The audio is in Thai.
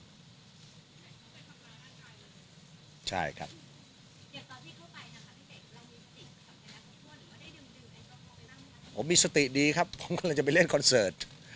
เดี๋ยวตอนที่เข้าไปนะครับพี่เจ๊เรามีสติกับเกราะที่พ่อหรือว่าได้ดึงไอ้ครับผมไปนั่งไหนครับ